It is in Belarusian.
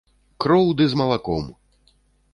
Кроў ды з малаком.